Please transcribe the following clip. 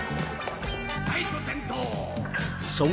ライト点灯！